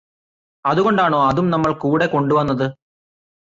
അതുകൊണ്ടാണോ അതും നമ്മൾ കൂടെ കൊണ്ടുവന്നത്